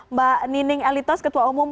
mbak nining elitos ketua umum